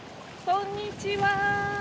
こんにちは！